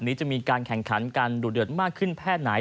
วันนี้จะมีการแข่งขันการหลุดเดือดมากขึ้นแพทย์ไหน